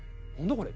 これ！」。